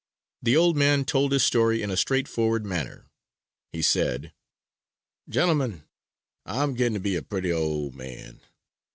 The old man told his story in a straight forward manner. He said: "Gentlemen, I am getting to be a pretty old man.